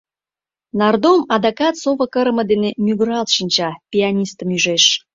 Нардом адакат сово кырыме дене мӱгыралт шинча, пианистым ӱжеш.